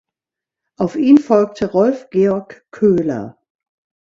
Auf ihn folgte Rolf-Georg Köhler.